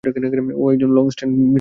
ও একজন লং-ডিস্টেন্স মিথ্যাবাদী!